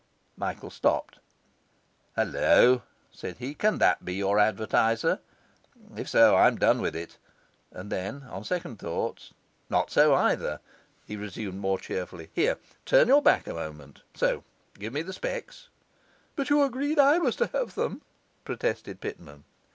Michael stopped. 'Holloa!' said he, 'can that be your advertiser? If so, I'm done with it.' And then, on second thoughts: 'Not so, either,' he resumed more cheerfully. 'Here, turn your back a moment. So. Give me the specs.' 'But you agreed I was to have them,' protested Pitman.